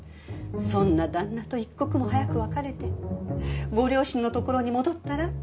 そんな旦那と一刻も早く別れてご両親のところに戻ったら？